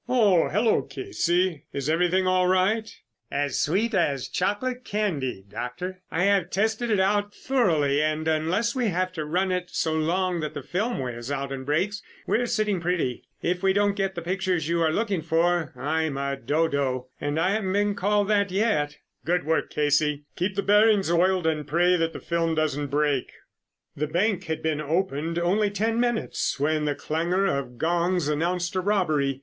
Oh, hello, Casey, is everything all right?" "As sweet as chocolate candy, Doctor. I have tested it out thoroughly, and unless we have to run it so long that the film wears out and breaks, we are sitting pretty. If we don't get the pictures you are looking for, I'm a dodo, and I haven't been called that yet." "Good work, Casey. Keep the bearings oiled and pray that the film doesn't break." The bank had been opened only ten minutes when the clangor of gongs announced a robbery.